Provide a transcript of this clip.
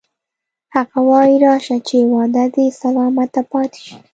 هغه وایی راشه چې وعده دې سلامته پاتې شي